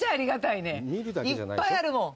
いっぱいあるもん。